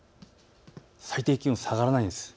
最低気温、下がらないんです。